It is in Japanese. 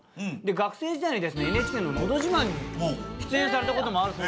学生時代にＮＨＫの「のど自慢」に出演されたこともあるという。